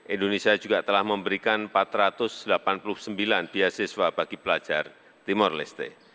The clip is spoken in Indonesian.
indonesia juga telah memberikan empat ratus delapan puluh sembilan beasiswa bagi pelajar timur leste